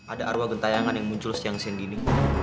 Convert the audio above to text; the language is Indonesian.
ada arwah gentayangan yang muncul siang siang gini